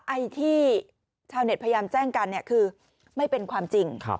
ไอ้ที่ชาวเน็ตพยายามแจ้งกันเนี่ยคือไม่เป็นความจริง